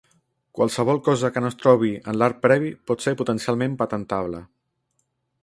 Qualsevol cosa que no es trobi en l'art previ pot ser potencialment patentable.